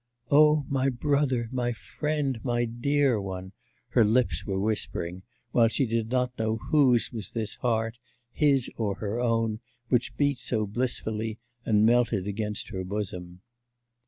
'O my brother, my friend, my dear one!' her lips were whispering, while she did not know whose was this heart, his or her own, which beat so blissfully, and melted against her bosom.